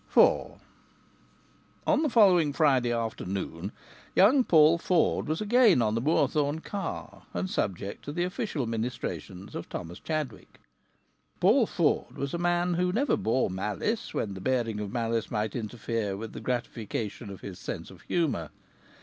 IV On the following Friday afternoon young Paul Ford was again on the Moorthorne car, and subject to the official ministrations of Thomas Chadwick. Paul Ford was a man who never bore malice when the bearing of malice might interfere with the gratification of his sense of humour.